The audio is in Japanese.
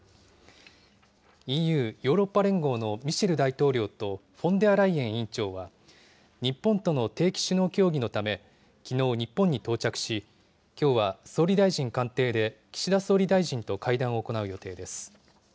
ＥＵ・ヨーロッパ連合のミシェル大統領と、フォンデアライエン委員長は、日本との定期首脳協議のため、きのう、日本に到着し、きょうは総理大臣官邸で、岸田総理大臣と会談を行う予定です。